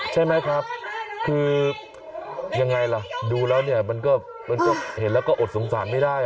ใช่ไหมครับคือยังไงล่ะดูแล้วเนี่ยมันก็เห็นแล้วก็อดสงสารไม่ได้